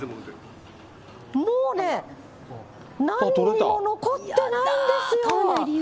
もうね、なんにも残ってないんですよ。